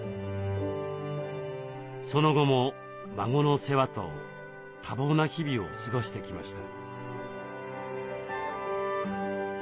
その後も孫の世話と多忙な日々を過ごしてきました。